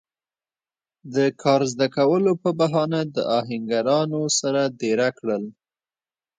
د کار زده کولو پۀ بهانه د آهنګرانو سره دېره کړل